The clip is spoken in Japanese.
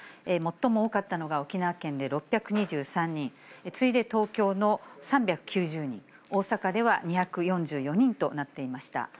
最も多かったのが沖縄県で６２３人、次いで東京の３９０人、大阪では２４４人となっていました。